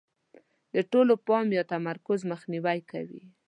د ټول پام یا تمرکز مخنیوی کوي.